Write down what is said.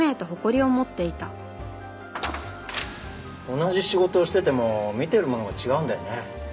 同じ仕事をしてても見てるものが違うんだよね。